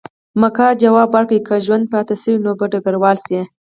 مک ځواب ورکړ، که ژوندی پاتې شوې نو به ډګروال شې.